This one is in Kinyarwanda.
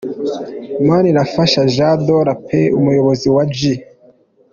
Manirafasha Jean de la Paix umuyobozi wa G.